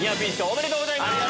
おめでとうございます！